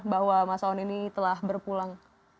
bahwa mas aun ini telah berpulang